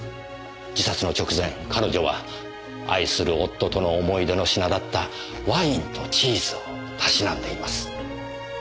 自殺の直前彼女は愛する夫との思い出の品だったワインとチーズをたしなんでいます。